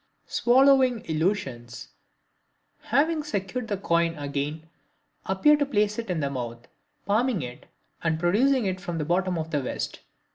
Swallowing Illusions.—Having secured the coin again, appear to place it in the mouth, palming it, and producing it from the bottom of the vest.